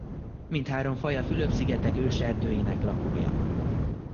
Mindhárom faj a Fülöp-szigetek esőerdeinek lakója.